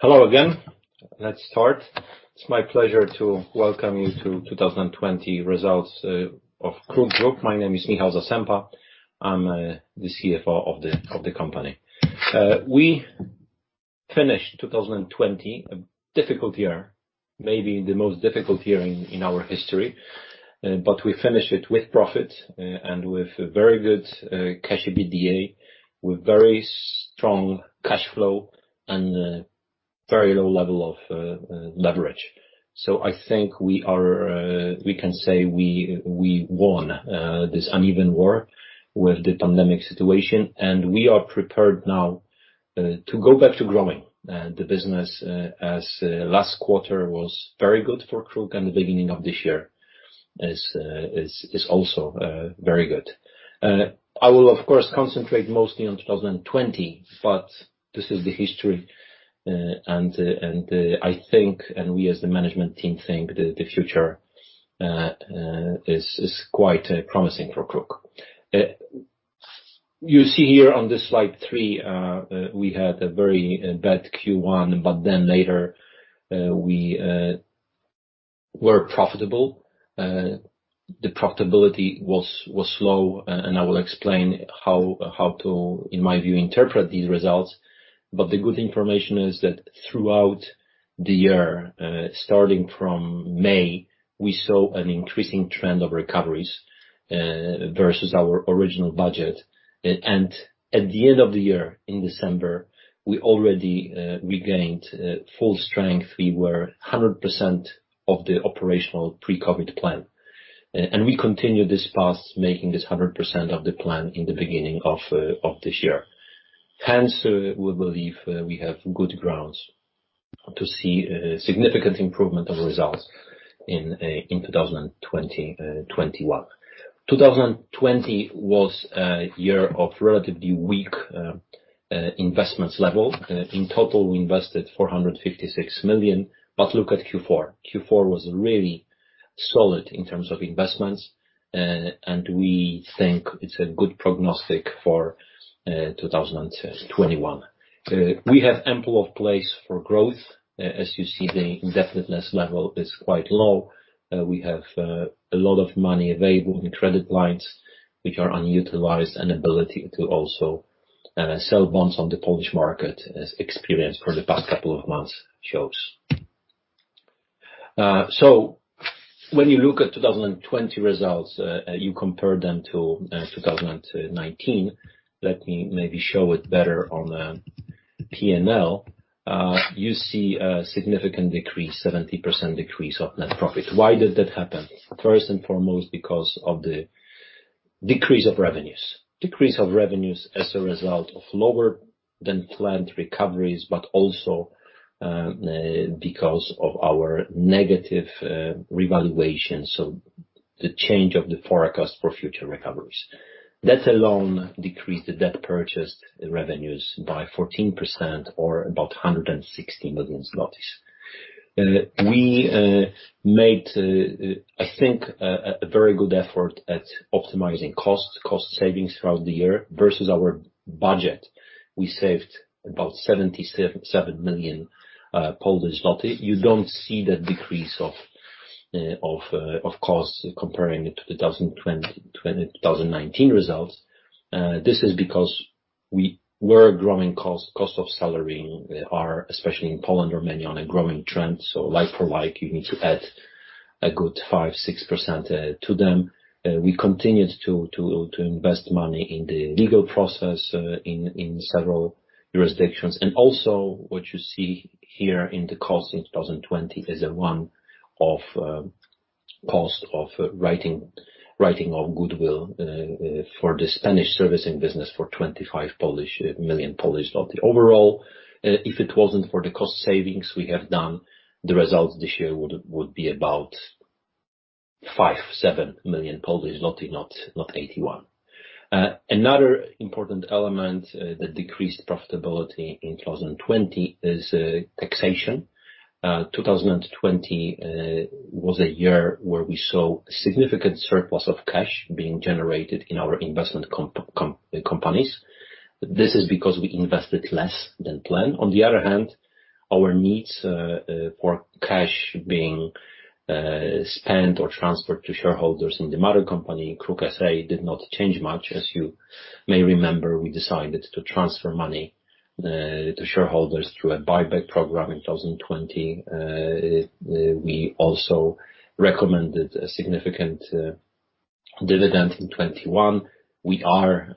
Hello again. Let's start. It's my pleasure to welcome you to 2020 Results of KRUK Group. My name is Michał Zasępa. I'm the CFO of the company. We finished 2020, a difficult year, maybe the most difficult year in our history. We finished it with profit and with very good cash EBITDA, with very strong cash flow and very low level of leverage. I think we can say we won this uneven war with the pandemic situation, and we are prepared now to go back to growing the business, as last quarter was very good for KRUK, and the beginning of this year is also very good. I will, of course, concentrate mostly on 2020, but this is the history, and I think, and we as the management team think, that the future is quite promising for KRUK. You see here on this slide three, we had a very bad Q1. Later we were profitable. The profitability was slow. I will explain how to, in my view, interpret these results. The good information is that throughout the year, starting from May, we saw an increasing trend of recoveries versus our original budget. At the end of the year, in December, we already regained full strength. We were 100% of the operational pre-COVID plan. We continue this path, making this 100% of the plan in the beginning of this year. Hence, we believe we have good grounds to see a significant improvement of results in 2021. 2020 was a year of relatively weak investments level. In total, we invested 456 million. Look at Q4. Q4 was really solid in terms of investments, and we think it's a good prognostic for 2021. We have ample of place for growth. As you see, the indebtedness level is quite low. We have a lot of money available in credit lines, which are unutilized, and ability to also sell bonds on the Polish market, as experience for the past couple of months shows. When you look at 2020 results, you compare them to 2019. Let me maybe show it better on the P&L. You see a significant decrease, 70% decrease of net profit. Why did that happen? First and foremost, because of the decrease of revenues. Decrease of revenues as a result of lower than planned recoveries, but also because of our negative revaluation, so the change of the forecast for future recoveries. That alone decreased the debt purchased revenues by 14%, or about 160 million zlotys. We made, I think, a very good effort at optimizing costs, cost savings throughout the year. Versus our budget, we saved about 77 million Polish zloty. You don't see that decrease of costs comparing it to the 2019 results. This is because we were growing costs. Costs of salary are, especially in Poland, are many, on a growing trend. Like for like, you need to add a good 5%-6% to them. We continued to invest money in the legal process in several jurisdictions. Also, what you see here in the costs in 2020 is the one-off cost of writing off goodwill for the Spanish servicing business for 25 million. Overall, if it wasn't for the cost savings we have done, the results this year would be about 5-7 million, not 81. Another important element that decreased profitability in 2020 is taxation. 2020 was a year where we saw significant surplus of cash being generated in our investment companies. This is because we invested less than planned. On the other hand, our needs for cash being spent or transferred to shareholders in the mother company, KRUK S.A., did not change much. As you may remember, we decided to transfer money to shareholders through a buyback program in 2020. We also recommended a significant dividend in 2021. We are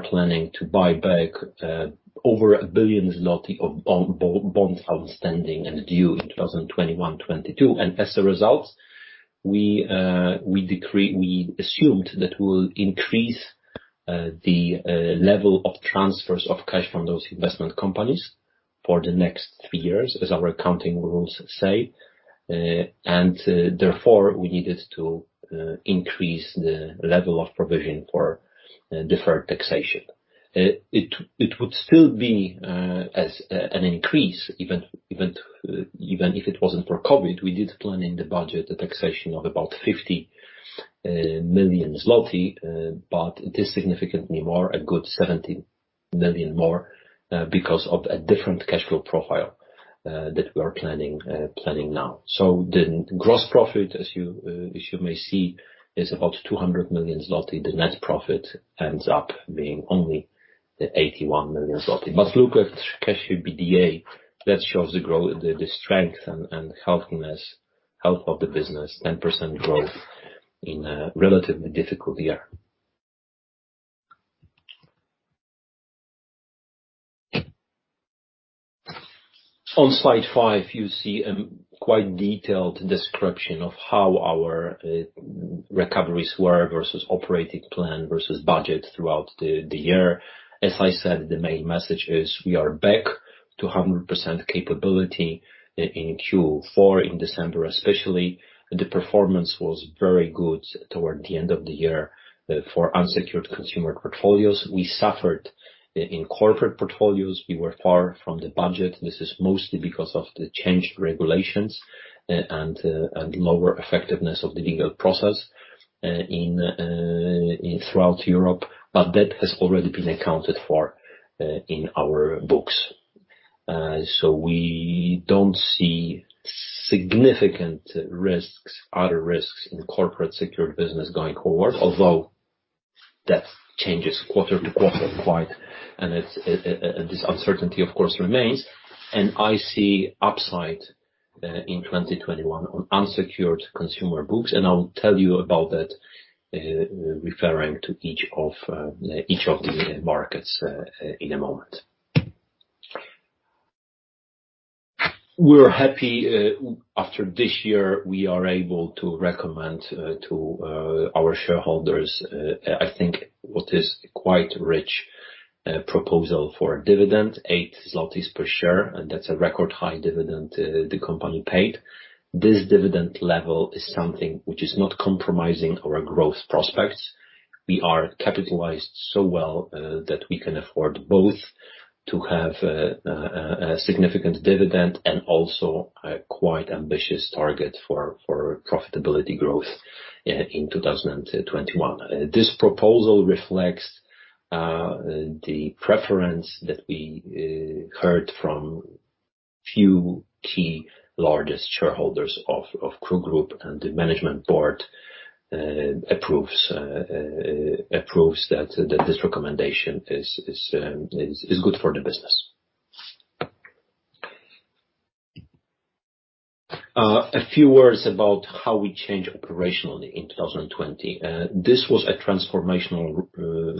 planning to buy back over 1 billion zloty of bonds outstanding and due in 2021, 2022. As a result, we assumed that we'll increase the level of transfers of cash from those investment companies for the next three years, as our accounting rules say. Therefore, we needed to increase the level of provision for deferred taxation. It would still be as an increase even if it wasn't for COVID. We did plan in the budget a taxation of about 50 million zloty, but it is significantly more, a good 17 million more, because of a different cash flow profile that we are planning now. The gross profit, as you may see, is about 200 million zloty. The net profit ends up being only 81 million zloty. Look at cash EBITDA, that shows the growth, the strength and health of the business, 10% growth in a relatively difficult year. On slide five, you see a quite detailed description of how our recoveries were versus operating plan, versus budget throughout the year. As I said, the main message is we are back to 100% capability in Q4. In December especially, the performance was very good toward the end of the year for unsecured consumer portfolios. We suffered in corporate portfolios. We were far from the budget. This is mostly because of the changed regulations and lower effectiveness of the legal process throughout Europe, but that has already been accounted for in our books. We don't see significant other risks in corporate secured business going forward, although that changes quarter-to-quarter quite, and this uncertainty of course remains. I see upside in 2021 on unsecured consumer books, and I'll tell you about that, referring to each of the markets in a moment. We're happy. After this year, we are able to recommend to our shareholders, I think what is quite rich proposal for a dividend, 8 zlotys per share, and that's a record high dividend the company paid. This dividend level is something which is not compromising our growth prospects. We are capitalized so well that we can afford both to have a significant dividend and also a quite ambitious target for profitability growth in 2021. This proposal reflects the preference that we heard from few key, largest shareholders of KRUK Group, and the management board approves that this recommendation is good for the business. A few words about how we changed operationally in 2020. This was a transformational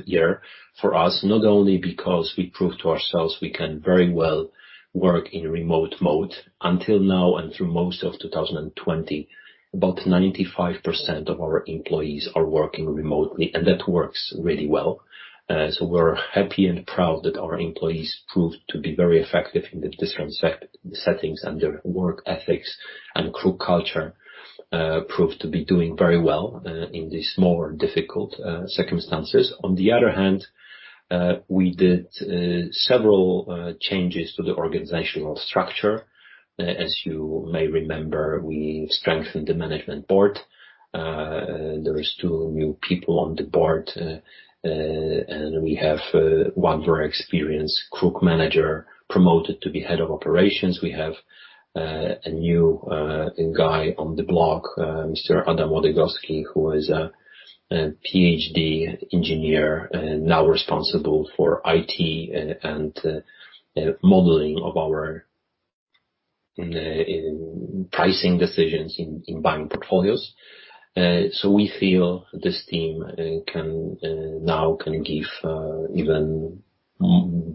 year for us, not only because we proved to ourselves we can very well work in remote mode. Until now and through most of 2020, about 95% of our employees are working remotely, and that works really well. We're happy and proud that our employees proved to be very effective in the different settings, and their work ethics and KRUK culture proved to be doing very well in these more difficult circumstances. On the other hand, we did several changes to the organizational structure. As you may remember, we strengthened the Management Board. There is two new people on the Board, and we have one very experienced KRUK manager promoted to be head of operations. We have a new guy on the block, Mr. Adam Łodygowski, who is a PhD engineer, now responsible for IT and modeling of our pricing decisions in buying portfolios. We feel this team now can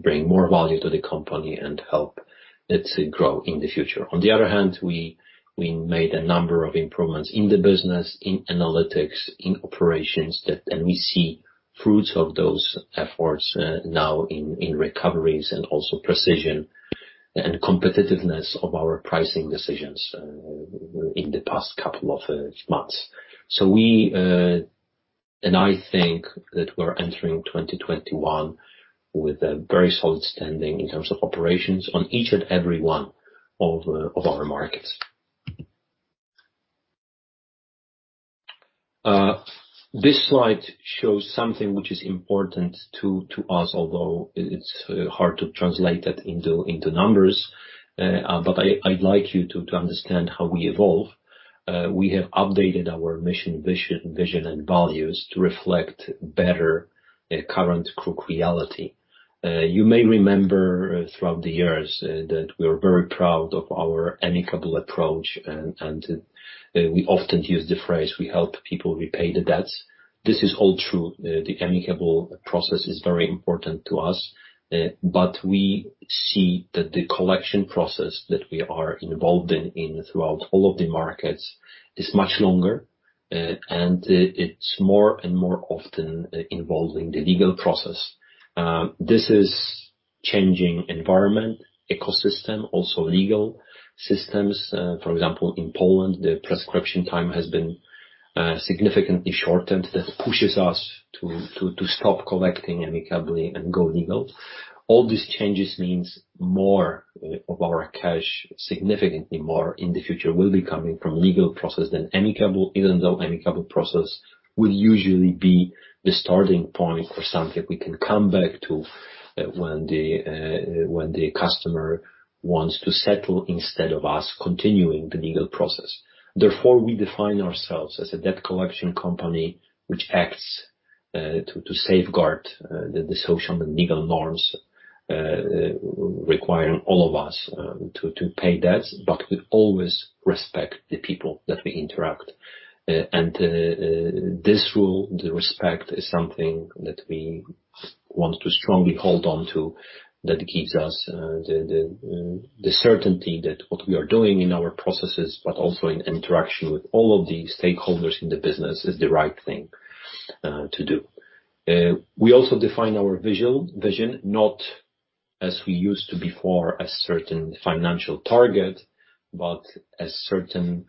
bring more value to the company and help it to grow in the future. On the other hand, we made a number of improvements in the business, in analytics, in operations, and we see fruits of those efforts now in recoveries and also precision and competitiveness of our pricing decisions in the past couple of months. We're entering 2021 with a very solid standing in terms of operations on each and every one of our markets. This slide shows something which is important to us, although it's hard to translate that into numbers. I'd like you to understand how we evolve. We have updated our mission, vision, and values to reflect better current KRUK reality. You may remember throughout the years that we're very proud of our amicable approach, and we often use the phrase, we help people repay the debts. This is all true. The amicable process is very important to us, but we see that the collection process that we are involved in throughout all of the markets is much longer, and it's more and more often involving the legal process. This is changing environment, ecosystem, also legal systems. For example, in Poland, the prescription time has been significantly shortened. That pushes us to stop collecting amicably and go legal. All these changes means more of our cash, significantly more in the future, will be coming from legal process than amicable, even though amicable process will usually be the starting point for something we can come back to when the customer wants to settle instead of us continuing the legal process. Therefore, we define ourselves as a debt collection company which acts to safeguard the social and legal norms requiring all of us to pay debts, but we always respect the people that we interact. This rule, the respect, is something that we want to strongly hold on to, that gives us the certainty that what we are doing in our processes, but also in interaction with all of the stakeholders in the business, is the right thing to do. We also define our vision, not as we used to before, a certain financial target, but as certain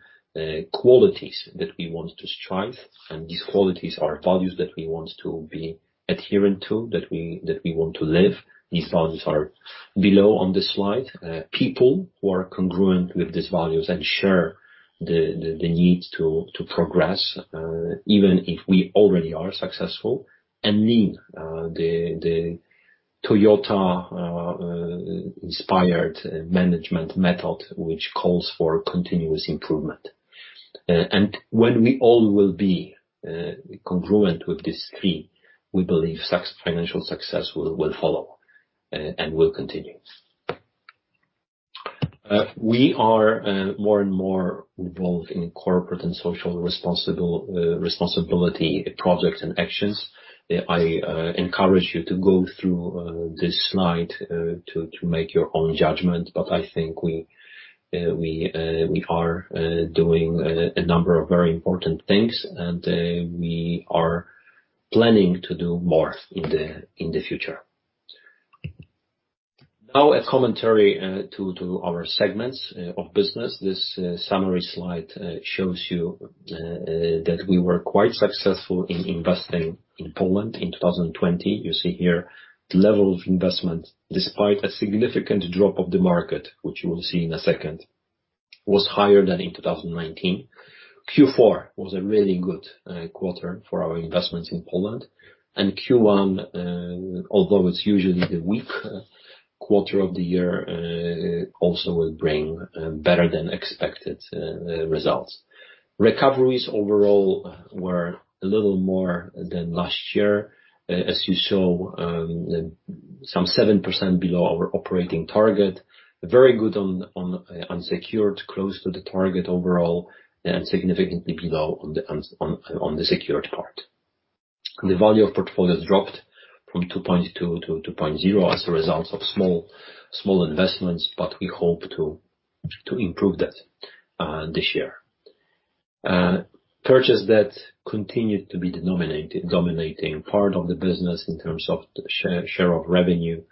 qualities that we want to strive, and these qualities are values that we want to be adherent to, that we want to live. These values are below on this slide. People who are congruent with these values and share the need to progress, even if we already are successful, and lean the Toyota-inspired management method, which calls for continuous improvement. When we all will be congruent with these three, we believe financial success will follow and will continue. We are more and more involved in corporate and social responsibility projects and actions. I encourage you to go through this slide to make your own judgment, but I think we are doing a number of very important things, and we are planning to do more in the future. Now a commentary to our segments of business. This summary slide shows you that we were quite successful in investing in Poland in 2020. You see here the level of investment, despite a significant drop of the market, which you will see in a second, was higher than in 2019. Q4 was a really good quarter for our investments in Poland. Q1, although it's usually the weak quarter of the year, also will bring better than expected results. Recoveries overall were a little more than last year. As you saw, some 7% below our operating target. Very good on unsecured, close to the target overall, and significantly below on the secured part. The value of portfolios dropped from 2.2 to 2.0 as a result of small investments, but we hope to improve that this year. Purchased debt continued to be the dominating part of the business in terms of share of revenue.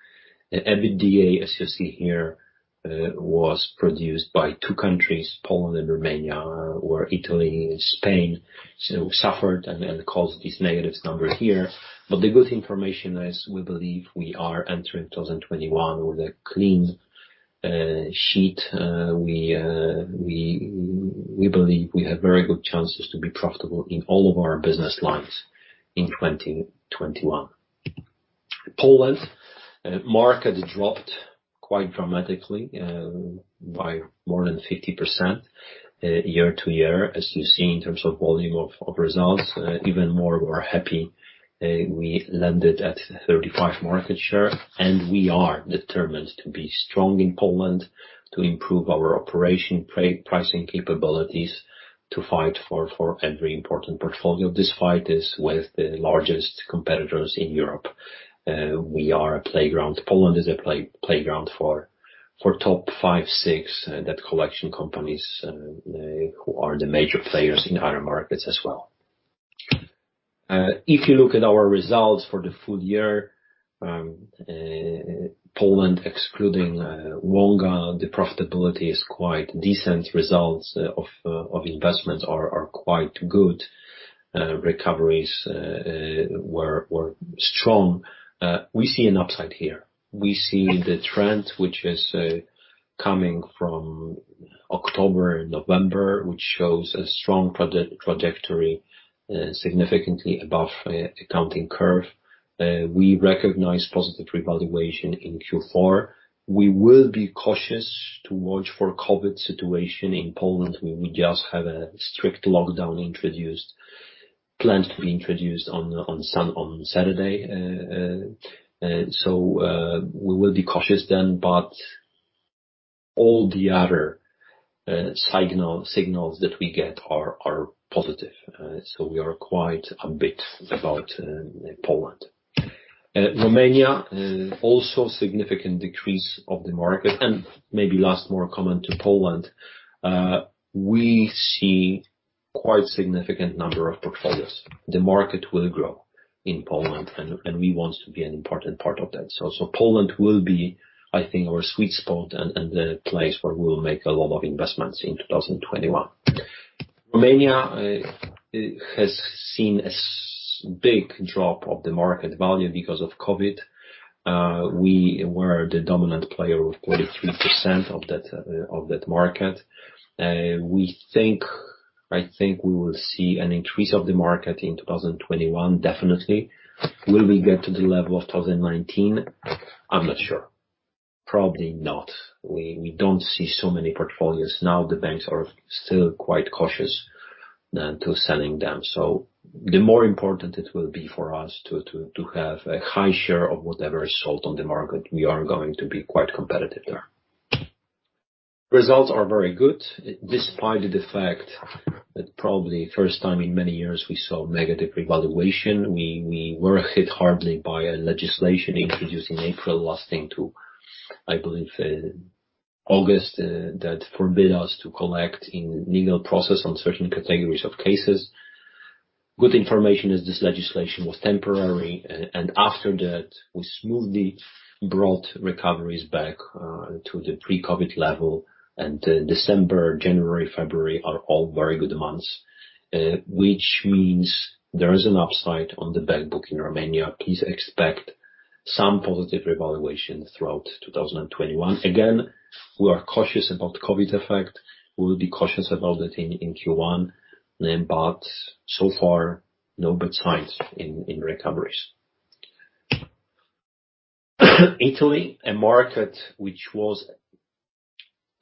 The EBITDA, as you see here, was produced by two countries, Poland and Romania, where Italy and Spain suffered and caused these negative numbers here. The good information is we believe we are entering 2021 with a clean sheet. We believe we have very good chances to be profitable in all of our business lines in 2021. Poland market dropped quite dramatically by more than 50% year-over-year, as you see, in terms of volume of results. Even more we're happy we landed at 35 market share, and we are determined to be strong in Poland, to improve our operation pricing capabilities, to fight for every important portfolio. This fight is with the largest competitors in Europe. Poland is a playground for top five, six debt collection companies, who are the major players in other markets as well. If you look at our results for the full-year, Poland, excluding Wonga, the profitability is quite decent. Results of investments are quite good. Recoveries were strong. We see an upside here. We see the trend which is coming from October, November, which shows a strong trajectory significantly above accounting curve. We recognize positive revaluation in Q4. We will be cautious to watch for COVID situation in Poland, where we just had a strict lockdown planned to be introduced on Saturday. We will be cautious then, but all the other signals that we get are positive. We are quite upbeat about Poland. Romania, also significant decrease of the market. Maybe last more comment to Poland, we see quite significant number of portfolios. The market will grow in Poland, and we want to be an important part of that. Poland will be, I think, our sweet spot and the place where we'll make a lot of investments in 2021. Romania has seen a big drop of the market value because of COVID. We were the dominant player with 23% of that market. I think we will see an increase of the market in 2021, definitely. Will we get to the level of 2019? I'm not sure. Probably not. We don't see so many portfolios now. The banks are still quite cautious to selling them, so the more important it will be for us to have a high share of whatever is sold on the market. We are going to be quite competitive there. Results are very good, despite the fact that probably first time in many years, we saw negative revaluation. We were hit hardly by a legislation introduced in April, lasting to, I believe, August, that forbid us to collect in legal process on certain categories of cases. Good information is this legislation was temporary, and after that, we smoothly brought recoveries back to the pre-COVID level, and December, January, February are all very good months. Which means there is an upside on the bank book in Romania. Please expect some positive revaluation throughout 2021. Again, we are cautious about COVID effect. We will be cautious about that in Q1. So far, no bad signs in recoveries. Italy, a market which was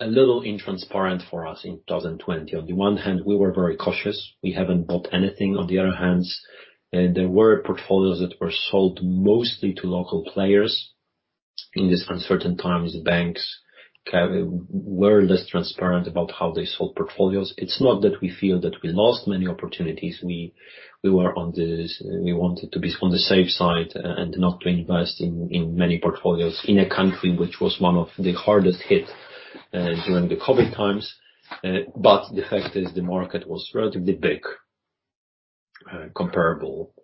a little intransparent for us in 2020. On the one hand, we were very cautious. We haven't bought anything. On the other hand, there were portfolios that were sold mostly to local players. In these uncertain times, banks were less transparent about how they sold portfolios. It's not that we feel that we lost many opportunities. We wanted to be on the safe side and not to invest in many portfolios in a country which was one of the hardest hit during the COVID times. The fact is the market was relatively big, comparable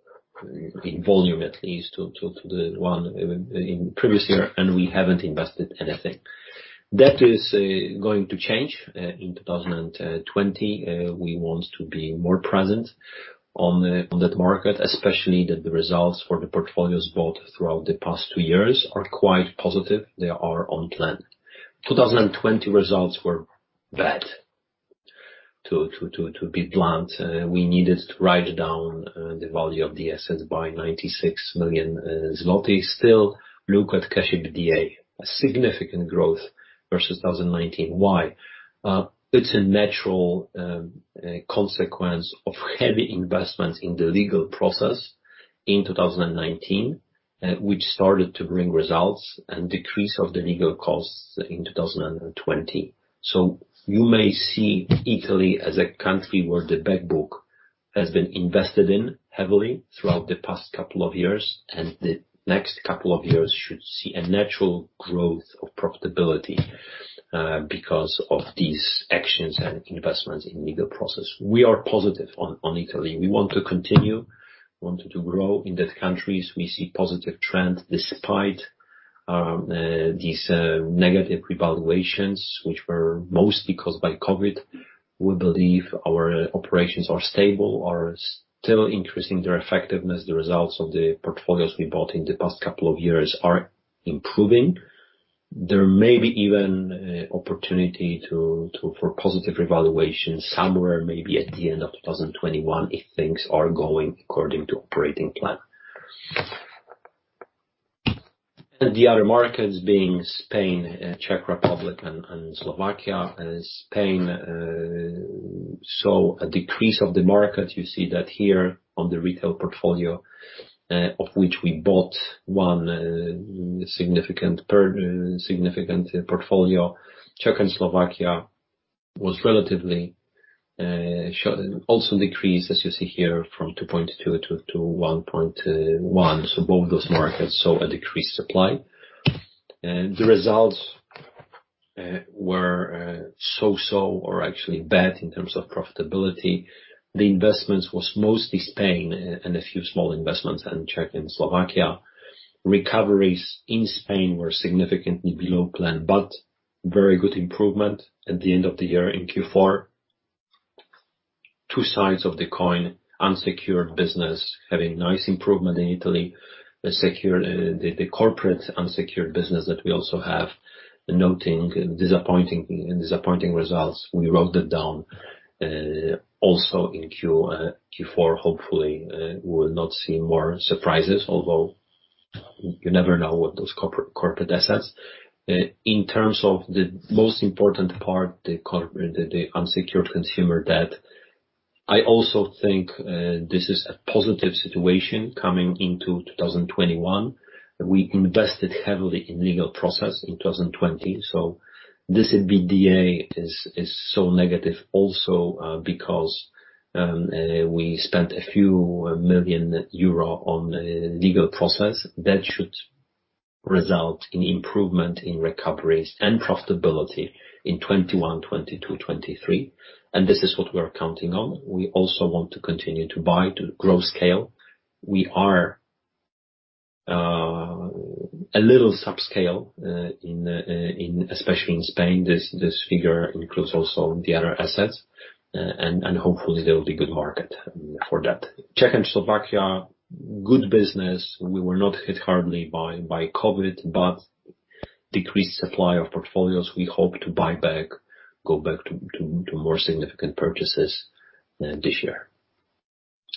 in volume, at least, to the one in previous year, and we haven't invested anything. That is going to change in 2020. We want to be more present on that market, especially that the results for the portfolios bought throughout the past two years are quite positive. They are on plan. 2020 results were bad, to be blunt. We needed to write down the value of the assets by 96 million zloty. Still, look at cash EBITDA, a significant growth versus 2019. Why? It's a natural consequence of heavy investments in the legal process in 2019, which started to bring results and decrease of the legal costs in 2020. You may see Italy as a country where the bank book has been invested in heavily throughout the past couple of years, and the next couple of years should see a natural growth of profitability, because of these actions and investments in legal process. We are positive on Italy. We want to continue. We want to grow in that countries. We see positive trend despite these negative revaluations, which were mostly caused by COVID. We believe our operations are stable, are still increasing their effectiveness. The results of the portfolios we bought in the past couple of years are improving. There may be even opportunity for positive revaluation somewhere maybe at the end of 2021, if things are going according to operating plan. The other markets being Spain, Czech Republic, and Slovakia, Spain saw a decrease of the market. You see that here on the retail portfolio, of which we bought one significant portfolio. Czech and Slovakia also decreased, as you see here, from 2.2 to 1.1. Both those markets saw a decreased supply. The results were so, or actually bad, in terms of profitability. The investments was mostly Spain and a few small investments in Czech and Slovakia. Recoveries in Spain were significantly below plan, but very good improvement at the end of the year in Q4. Two sides of the coin, unsecured business having nice improvement in Italy. The corporate unsecured business that we also have, noting disappointing results, we wrote them down, also in Q4. Hopefully, we will not see more surprises, although you never know with those corporate assets. In terms of the most important part, the unsecured consumer debt, I also think this is a positive situation coming into 2021. We invested heavily in legal process in 2020, so this EBITDA is so negative also because we spent EUR a few million on legal process. That should result in improvement in recoveries and profitability in 2021, 2022, 2023, and this is what we're counting on. We also want to continue to buy, to grow scale. We are a little subscale, especially in Spain. This figure includes also the other assets, and hopefully there will be good market for that. Czech and Slovakia, good business. We were not hit hardly by COVID, but decreased supply of portfolios. We hope to buy back, go back to more significant purchases this year.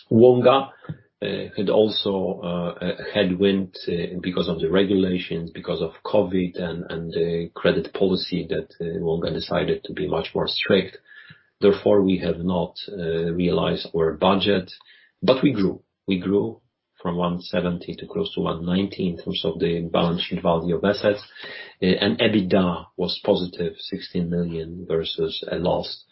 Wonga had also a headwind because of the regulations, because of COVID and the credit policy that Wonga decided to be much more strict. Therefore, we have not realized our budget, but we grew. We grew from 170 to close to 190 in terms of the balance sheet value of assets, and EBITDA was positive, 16 million versus a loss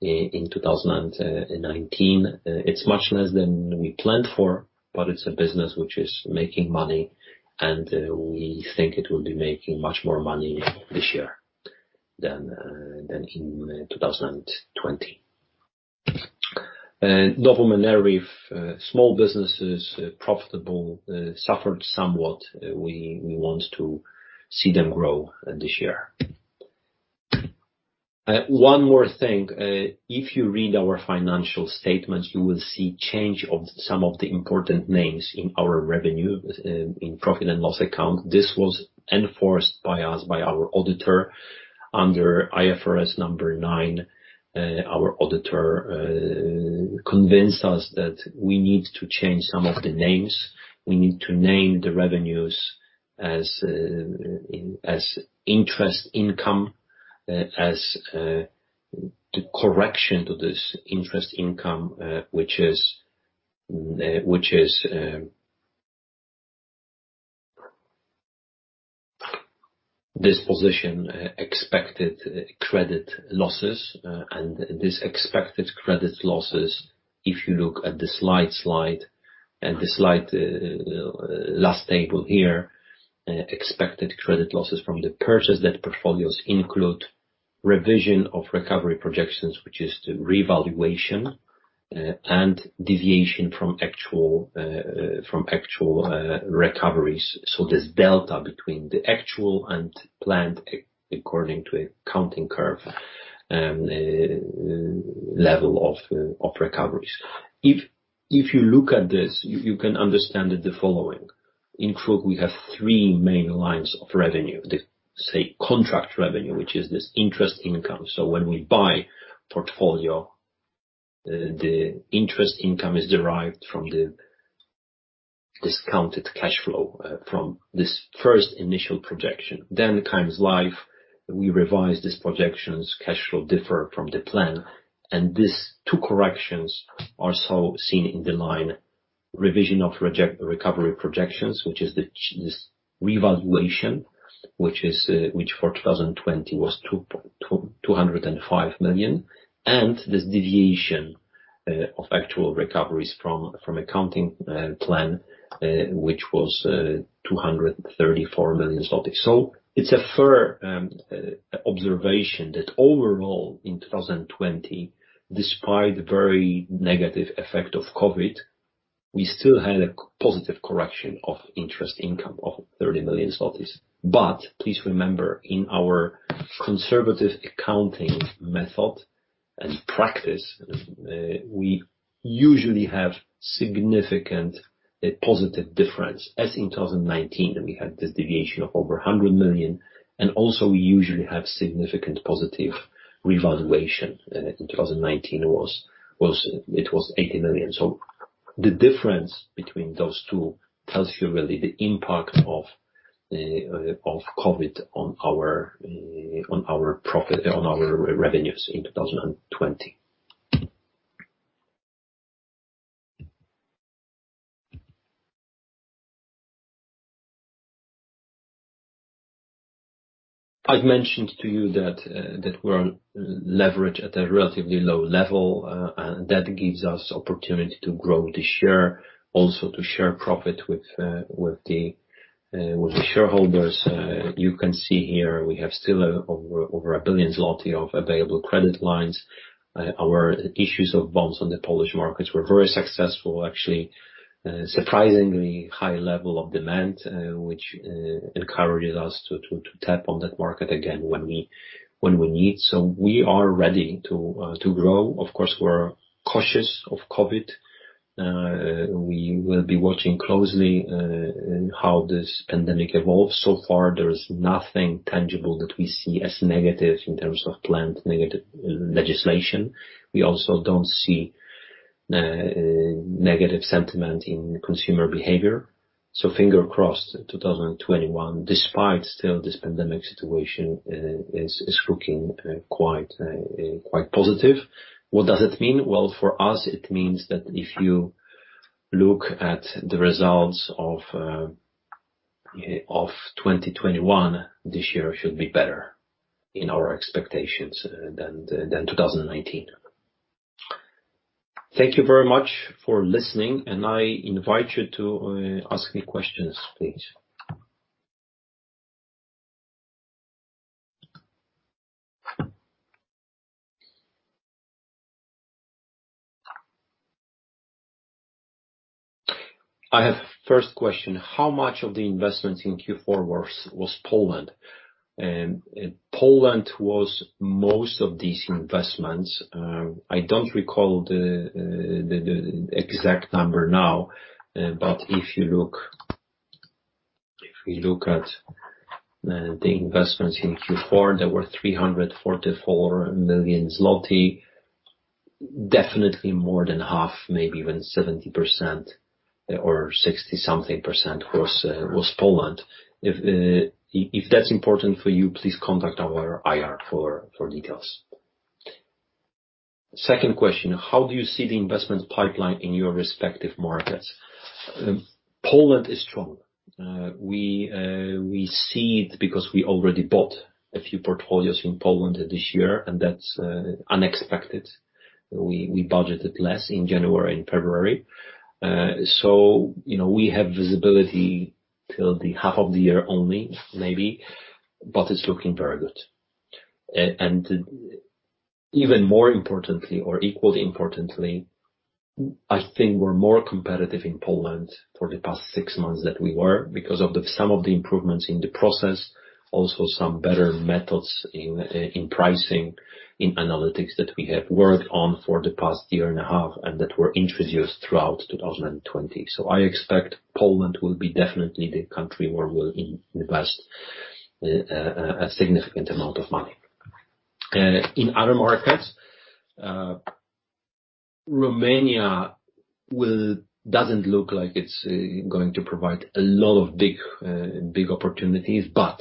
in 2019. It's much less than we planned for, but it's a business which is making money, and we think it will be making much more money this year than in 2020. Now, Novum and ERIF, small businesses, profitable, suffered somewhat. We want to see them grow this year. One more thing. If you read our financial statements, you will see change of some of the important names in our revenue, in profit and loss account. This was enforced by us, by our auditor, under IFRS 9. Our auditor convinced us that we need to change some of the names. We need to name the revenues as interest income, as the correction to this interest income, which is disposition, expected credit losses. These expected credit losses, if you look at this last slide, and this last table here, expected credit losses from the purchased portfolios include revision of recovery projections, which is the revaluation and deviation from actual recoveries. This delta between the actual and planned according to an accounting curve, level of recoveries. If you look at this, you can understand the following. In KRUK, we have three main lines of revenue. Say, contract revenue, which is this interest income. When we buy portfolio, the interest income is derived from the discounted cash flow, from this first initial projection, then comes life. We revise these projections, cash flow differ from the plan, and these two corrections are so seen in the line revision of recovery projections, which is this revaluation, which for 2020 was 205 million. This deviation of actual recoveries from accounting plan, which was 234 million. It's a fair observation that overall, in 2020, despite very negative effect of COVID, we still had a positive correction of interest income of 30 million zlotys. Please remember, in our conservative accounting method and practice, we usually have significant positive difference. As in 2019, we had this deviation of over 100 million, and also we usually have significant positive revaluation. In 2019, it was 80 million. The difference between those two tells you really the impact of COVID on our revenues in 2020. I've mentioned to you that we're leveraged at a relatively low level, and that gives us opportunity to grow this year, also to share profit with the shareholders. You can see here we have still over 1 billion zloty of available credit lines. Our issues of bonds on the Polish markets were very successful, actually. Surprisingly high level of demand, which encourages us to tap on that market again when we need. We are ready to grow. Of course, we're cautious of COVID. We will be watching closely how this pandemic evolves. So far, there is nothing tangible that we see as negative in terms of planned legislation. We also don't see negative sentiment in consumer behavior. finger crossed 2021, despite still this pandemic situation, is looking quite positive. What does it mean? Well, for us, it means that if you look at the results of 2021, this year should be better in our expectations than 2019. Thank you very much for listening, and I invite you to ask me questions, please. I have first question, how much of the investment in Q4 was Poland? Poland was most of these investments. I don't recall the exact number now, but if we look at the investments in Q4, there were 344 million zloty. Definitely more than half, maybe even 70% or 60% something was Poland. If that's important for you, please contact our IR for details. Second question, how do you see the investment pipeline in your respective markets? Poland is strong. We see it because we already bought a few portfolios in Poland this year, and that's unexpected. We budgeted less in January and February. We have visibility till the half of the year only, maybe, but it's looking very good. Even more importantly or equally importantly, I think we're more competitive in Poland for the past six months than we were because of some of the improvements in the process, also some better methods in pricing, in analytics that we have worked on for the past year and a half and that were introduced throughout 2020. I expect Poland will be definitely the country where we'll invest a significant amount of money. In other markets, Romania doesn't look like it's going to provide a lot of big opportunities, but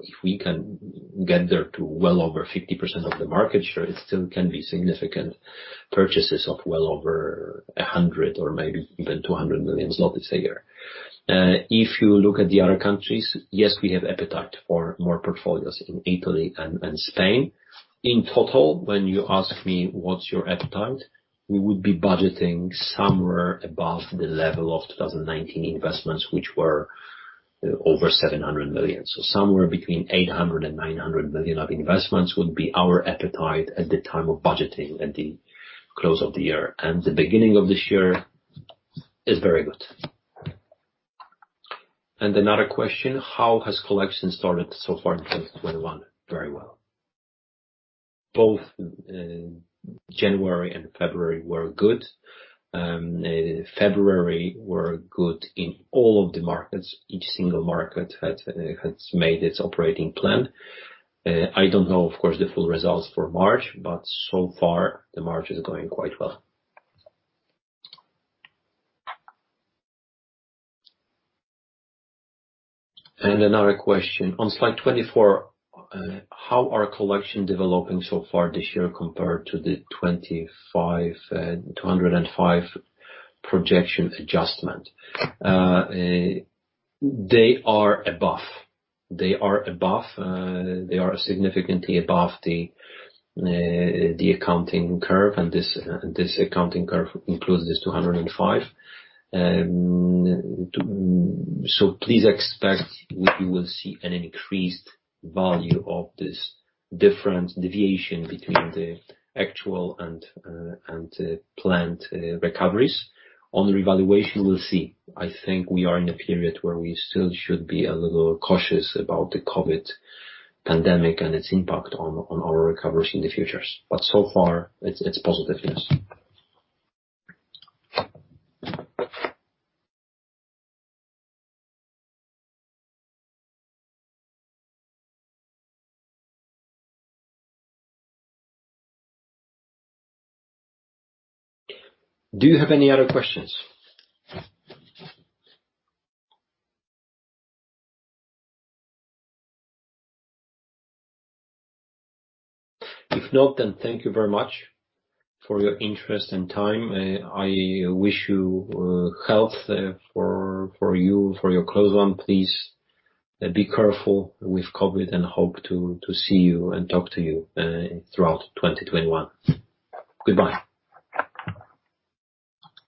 if we can get there to well over 50% of the market share, it still can be significant purchases of well over 100 million or maybe even 200 million zlotys a year. If you look at the other countries, yes, we have appetite for more portfolios in Italy and Spain. In total, when you ask me, what's your appetite, we would be budgeting somewhere above the level of 2019 investments, which were over 700 million. Somewhere between 800 million and 900 million of investments would be our appetite at the time of budgeting at the close of the year. The beginning of this year is very good. Another question, how has collection started so far in 2021? Very well. Both January and February were good. February were good in all of the markets. Each single market has made its operating plan. I don't know, of course, the full results for March, but so far, the March is going quite well. Another question. On slide 24, how are collection developing so far this year compared to the 205 projection adjustment? They are above. They are significantly above the accounting curve, and this accounting curve includes this 205. Please expect you will see an increased value of this difference, deviation between the actual and planned recoveries. On revaluation, we'll see. I think we are in a period where we still should be a little cautious about the COVID pandemic and its impact on our recoveries in the futures. So far, it's positive, yes. Do you have any other questions? If not, then thank you very much for your interest and time. I wish you health for you, for your close one. Please be careful with COVID and hope to see you and talk to you throughout 2021. Goodbye.